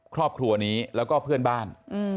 ครอบครัวนี้แล้วก็เพื่อนบ้าน